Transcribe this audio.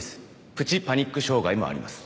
プチパニック障害もあります